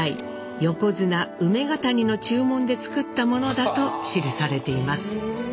横綱梅ケ谷の注文で作ったものだと記されています。